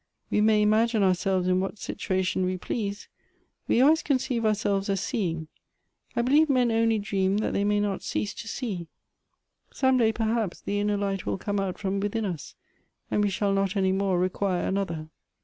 " We may imagine ourselves in what situation we Elective Affinities. 173 please, we always conceive ourselves as seeing. I believe men only dream that they may not cease to see. Some day, perhaps, the inner light will come out from within us, and we shall not any more require another.